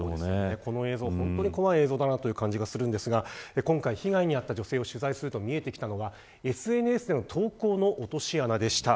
この映像、本当に怖い映像だなと感じますが被害に遭った女性を取材すると見えてきたのはＳＮＳでの投稿の落とし穴でした。